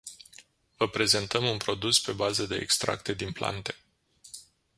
Vă prezentăm un produs pe bază de extracte din plante.